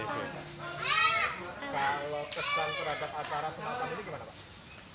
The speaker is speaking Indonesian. kalau kesan terhadap acara semacam ini gimana pak